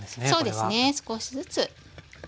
そうですね少しずつ。